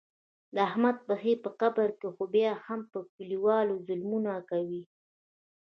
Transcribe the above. د احمد پښې په قبر کې دي خو بیا هم په کلیوالو ظلمونه کوي.